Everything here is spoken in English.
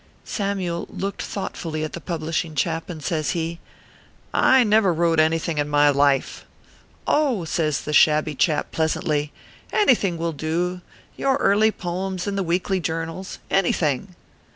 Samyule looked thoughtfully at the publishing chap, and says he :" I never wrote anything in my life." " Oh I" says the shabby chap, pleasantly, " any thing will do your early poems in the weekly jour nals anything."